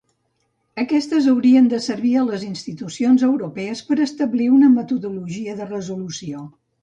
Aquestes haurien de servir a les institucions europees per establir una metodologia de resolució.